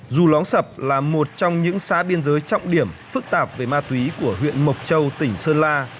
dù lóng sập là một trong những xã biên giới trọng điểm phức tạp về ma túy của huyện mộc châu tỉnh sơn la